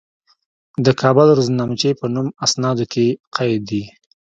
د کابل روزنامچې په نوم اسنادو کې قید دي.